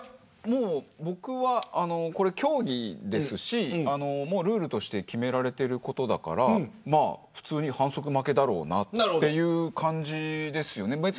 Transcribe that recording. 僕は競技ですしルールとして決められていることだから普通に反則負けだろうという感じです。